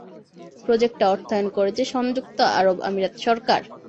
প্রজেক্টটা অর্থায়ন করেছে সংযুক্ত আরব আমিরাত সরকার।